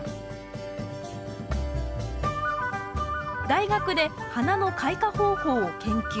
大学で花の開花方法を研究。